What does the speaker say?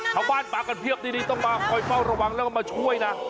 ชาวบ้านมากันเพียบดีต้องมาคอยเฝ้าระวังแล้วก็มาช่วยนะ